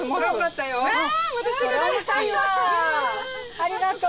ありがとう。